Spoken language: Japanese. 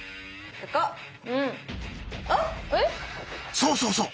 そうそうそう！